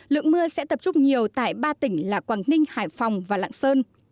lượng mưa sẽ tập trung nhiều tại ba tỉnh là quảng ninh hải phòng và lạng sơn